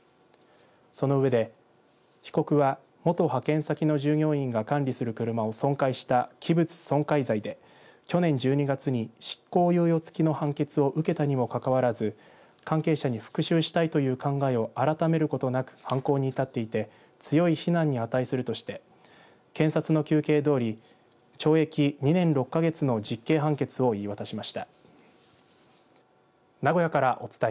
その上で被告は元派遣先の従業員が管理する車を損壊した器物損壊罪で去年１２月に執行猶予付きの判決を受けたにもかかわらず関係者に復しゅうしたいという考えを改めることなく犯行に至っていて強い非難に値するとして検察の求刑どおり懲役２年６か月の実刑判決を言い渡しました。